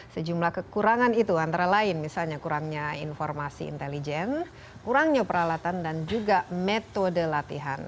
sejumlah kekurangan itu antara lain misalnya kurangnya informasi intelijen kurangnya peralatan dan juga metode latihan